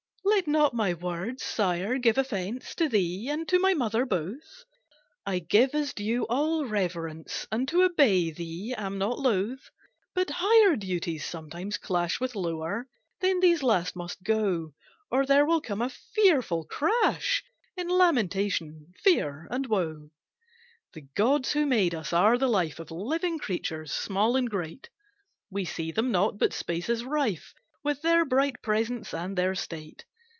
"Let not my words, Sire, give offence, To thee, and to my mother, both I give as due all reverence, And to obey thee am not loth. But higher duties sometimes clash With lower, then these last must go, Or there will come a fearful crash In lamentation, fear, and woe! "The gods who made us are the life Of living creatures, small and great; We see them not, but space is rife With their bright presence and their state.